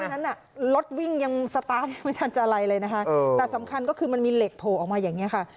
นั้นรถวิ่งยังสตาร์ทยังไม่ทันจะอะไรเลยนะคะแต่สำคัญก็คือมันมีเหล็กโผล่ออกมาอย่างนี้ค่ะ